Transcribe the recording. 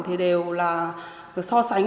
thì đều là so sánh